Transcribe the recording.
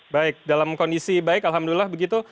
baik dalam kondisi baik alhamdulillah begitu